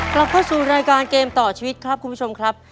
กลับเข้าสู่รายการเกมต่อชีวิตครับคุณผู้ชมครับ